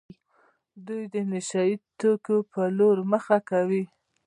دوی د نشه يي توکو په لور مخه کوي.